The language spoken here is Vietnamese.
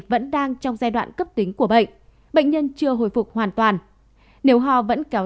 vẫn đang trong giai đoạn cấp tính của bệnh bệnh nhân chưa hồi phục hoàn toàn nếu ho vẫn kéo